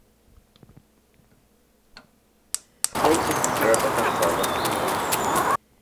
Скончыць трэба таксама сном.